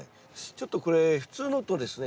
ちょっとこれ普通のとですね